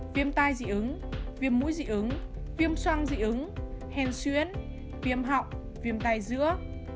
viêm tai dị ứng viêm mũi dị ứng viêm xoang dị ứng hèn xuyến viêm họng viêm tai dữa